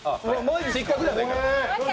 失格ではないから。